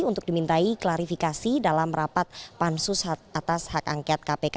untuk dimintai klarifikasi dalam rapat pansus hak atas hak angket kpk